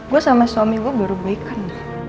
gue sama suami gue baru baik kan